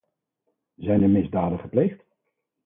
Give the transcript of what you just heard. Zijn er misdaden gepleegd?